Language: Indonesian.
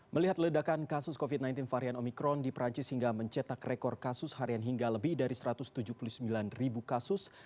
melihat ledakan kasus covid sembilan belas varian omikron di perancis hingga mencetak rekor kasus harian hingga lebih dari satu ratus tujuh puluh sembilan ribu kasus